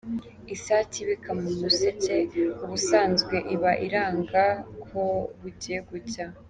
Isake ibika mu museke, ubusanzwe iba iranga ko bugiye gucya.